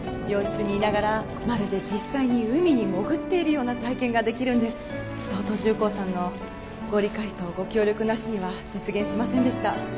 病室にいながらまるで実際に海に潜っているような体験ができるんです東都重工さんのご理解とご協力なしには実現しませんでした